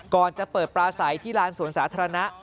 ก่อนจะเปิดปลาใสที่ลานสวนสาธารณะ